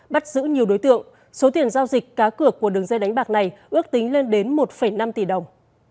bắt giữ nhiều đối tượng số tiền giao dịch cá cược của đường dây đánh bạc này ước tính lên đến một năm tỷ đồng